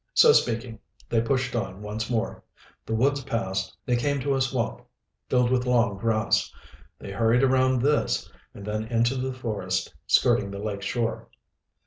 So speaking, they pushed on once more. The woods passed, they came to a swamp filled with long grass. They hurried around this, and then into the forest skirting the lake shore.